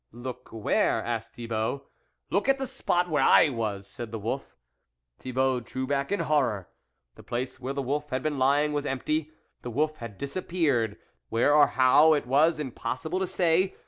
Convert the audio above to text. " Look where," asked Thibault. " Look at the spot where I was," said the wolf. Thibault drew back in horror. The place where the wolf had been lying was empty ; the wolf had disappeared, where or how it was impossible to say.